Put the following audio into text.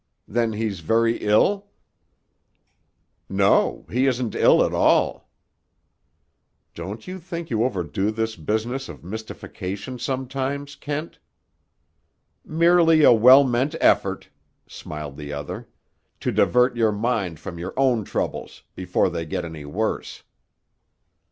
Then he's very ill." "No, he isn't ill at all." "Don't you think you overdo this business of mystification sometimes, Kent?" "Merely a well meant effort," smiled the other, "to divert your mind from your own troubles—before they get any worse."